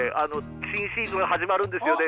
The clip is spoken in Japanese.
新シーズン始まるんですよね。